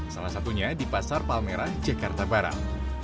salah satunya di pasar palmerah jakarta barat